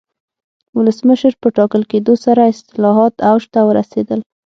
ولسمشر په ټاکل کېدو سره اصلاحات اوج ته ورسېدل.